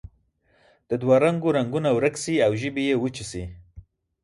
د دوه رنګو رنګونه ورک شي او ژبې یې وچې شي.